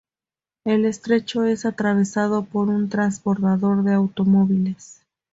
El estrecho es atravesado por un transbordador de automóviles.